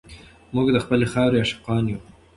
موږ د خپلې خاورې عاشقان یو.